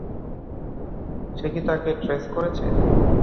সে কি তাকে ট্রেস করেছে?